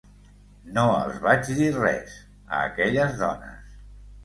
No els vaig dir res, a aquelles dones.